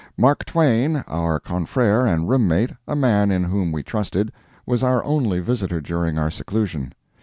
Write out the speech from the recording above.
Mark Twain, our confrere and room mate, a man in whom we trusted, was our only visitor during our seclusion.